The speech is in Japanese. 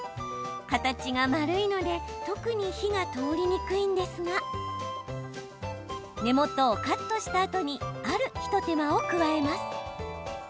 形が丸いので特に火が通りにくいんですが根元をカットしたあとにある一手間を加えます。